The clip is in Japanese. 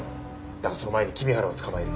だがその前に君原を捕まえる。